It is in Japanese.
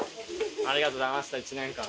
ありがとうございました１年間。